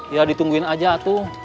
ya ditungguin aja tuh